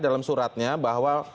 dalam suratnya bahwa